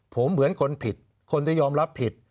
ผมเหมือนคนผิดคนจะยอมรับผิด